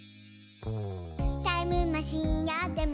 「タイムマシンあっても」